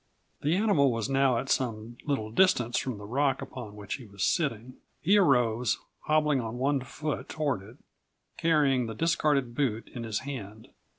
The animal was now at some little distance from the rock upon which he was sitting. He arose, hobbling on one foot toward it, carrying the discarded boot in his hand.